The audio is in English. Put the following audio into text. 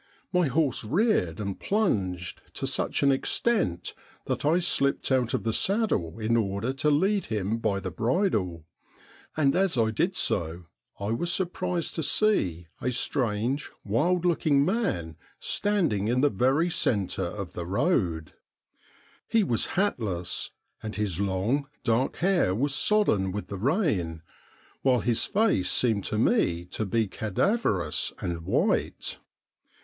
My horse reared and plunged to such an extent that I slipped out of the saddle in order to lead him by the bridle, and as I did so I was surprised to see a strange, wild looking man standing in the very centre of the road. He was hatless, and his long, dark hair was sodden with the rain, while his face seemed to me to be cadaverous and white.